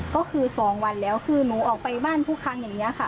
ก็คือ๒วันแล้วคือหนูออกไปบ้านทุกครั้งอย่างนี้ค่ะ